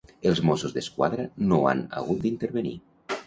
Els Mossos d'Esquadra no han hagut d'intervenir.